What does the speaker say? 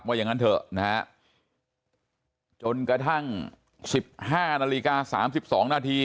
อย่างนั้นเถอะนะฮะจนกระทั่ง๑๕นาฬิกา๓๒นาที